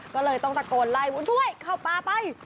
ก็เลยต้องตะโกนไล่บุญช่วยเข้าป่าไป